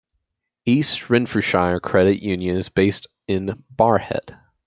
East Renfrewshire Credit Union is based in Barrhead.